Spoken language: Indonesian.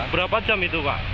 berapa jam itu pak